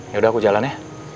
ya udah aku jalan ya